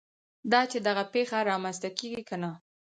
دا چې دغه پېښه رامنځته کېږي که نه.